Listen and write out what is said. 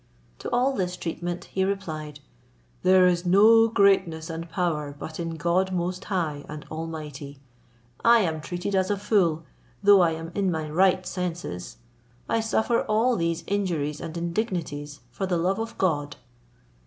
To all this treatment he replied, "There is no greatness and power but in God most high and almighty. I am treated as a fool, though I am in my right senses. I suffer all these injuries and indignities for the love of God."